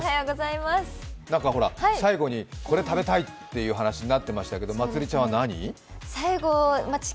何か最後にこれ食べたいっていう話になってましたけど、まつりちゃんは何？